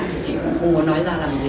chị cũng không muốn nói ra làm gì